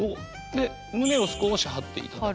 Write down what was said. で胸を少し張っていただくと。